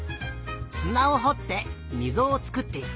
すなをほってみぞをつくっていく。